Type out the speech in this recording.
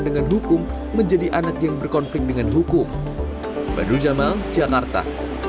dengan hukum menjadi anak yang berkonflik dengan hukum badru jamal jakarta